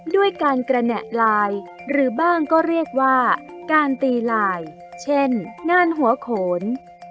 ด้วยการกระแหน่ลายหรือบ้างก็เรียกว่าการตีลายเช่นงานหัวโขน